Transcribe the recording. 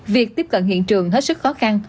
việc tiếp cận hiện trường hết sức khó khăn